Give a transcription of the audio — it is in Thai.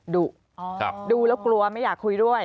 ดุดูแล้วกลัวไม่อยากคุยด้วย